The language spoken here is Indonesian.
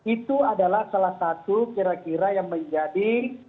itu adalah salah satu kira kira yang menjadi